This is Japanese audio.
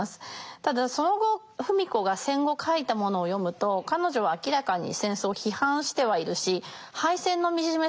ただその後芙美子が戦後書いたものを読むと彼女は明らかに戦争を批判してはいるし敗戦の惨めさをとてもうまく書いてます。